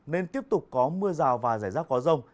nên tiếp tục có mưa rào và rải rác có rông